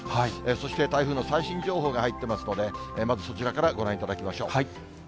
そして台風の最新情報が入ってますので、まずそちらからご覧いただきましょう。